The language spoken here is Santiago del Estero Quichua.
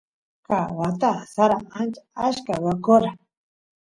ka wata sara ancha achka ruwakora